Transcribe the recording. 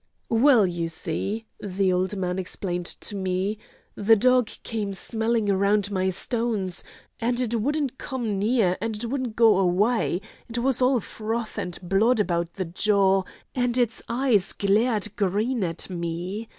'Well! you see,' the old man explained to me, 'the dog came smellin' round my stones, an' it wouldn' come near, an' it wouldn' go away; it was all froth and blood about the jaw, and its eyes glared green at me.